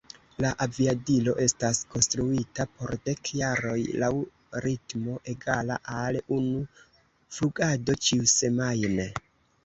La aviadilo estas konstruita por dek jaroj laŭ ritmo egala al unu flugado ĉiusemajne.